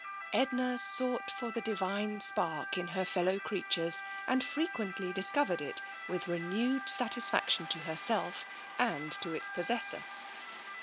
Edna sought for the Divine Spark in her fellow creatures, and frequently discovered it, with renewed satisfaction to herself and to its possessor.